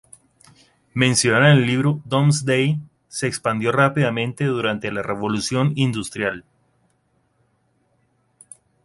Mencionado en el libro Domesday, se expandió rápidamente durante la Revolución Industrial.